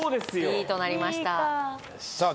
Ｂとなりましたさあ